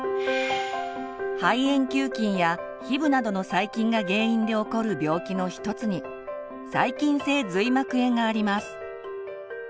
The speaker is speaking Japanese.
肺炎球菌やヒブなどの細菌が原因で起こる病気の一つに「細菌性髄膜炎」があります。